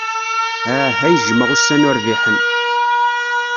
Ah, ay jjmeɣ ussan urbiḥen!